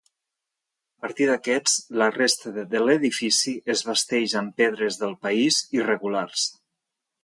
A partir d'aquests, la resta de l'edifici es basteix amb pedres del país irregulars.